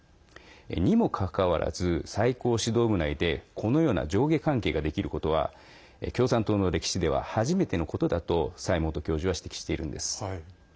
にもかかわらず、最高指導部内でこのような上下関係ができることは共産党の歴史では初めてのことだと蔡元教授は指摘しているんです。